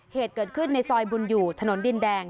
เหตุเกิดขึ้นในซอยบุญอยู่ถนนดินแดง